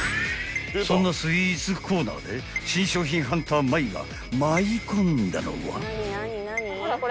［そんなスイーツコーナーで新商品ハンター舞が舞い込んだのは？］